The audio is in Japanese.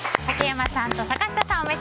竹山さんと坂下さん